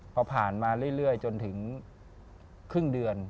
พอผ่านมาเรื่อยจนถึงครึ่งเดือน